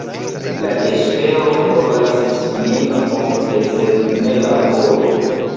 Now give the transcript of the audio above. La espero forlasis min ofte, sed ne la volo.